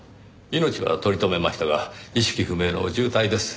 命は取り留めましたが意識不明の重体です。